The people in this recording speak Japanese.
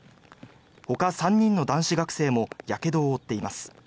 ほか３人の男子学生もやけどを負っています。